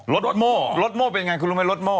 รถโม่รถโม่เป็นยังไงคุณรู้มั้ยรถโม่